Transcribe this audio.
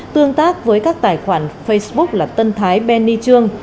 tương tác với các tài khoản facebook là tân thái benny trương